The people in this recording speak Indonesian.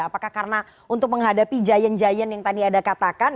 apakah karena untuk menghadapi jayan jayan yang tadi ada katakan